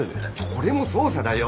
これも捜査だよ。